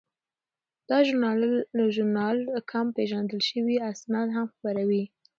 دا ژورنال کم پیژندل شوي اسناد هم خپروي.